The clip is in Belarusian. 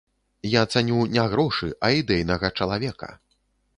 Я цаню не грошы, а ідэйнага чалавека.